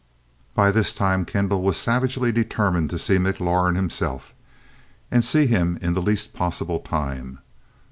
By this time, Kendall was savagely determined to see McLaurin himself, and see him in the least possible time.